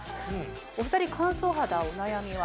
お二人乾燥肌お悩みは？